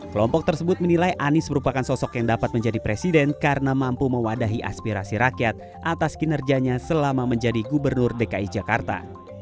kelompok tersebut menilai anies merupakan sosok yang dapat menjadi presiden karena mampu mewadahi aspirasi rakyat atas kinerjanya selama menjadi gubernur dki jakarta